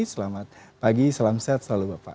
selamat pagi salam sehat selalu bapak